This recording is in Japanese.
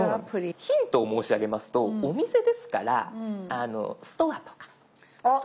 ヒントを申し上げますとお店ですから「ストア」とか。